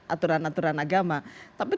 aturan aturan agama tapi